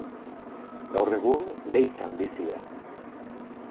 Gaur egun Leitzan bizi da.